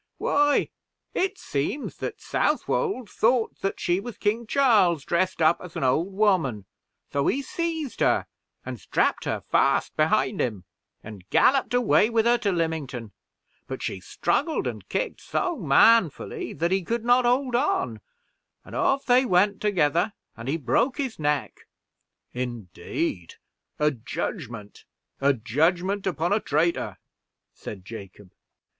"Why, it seems that Southwold thought that she was King Charles dressed up as an old woman, so he seized her and strapped her fast behind him, and galloped away with her to Lymington; but she struggled and kicked so manfully, that he could not hold on, and off they went together, and he broke his neck." "Indeed! A judgment a judgment upon a traitor," said Jacob.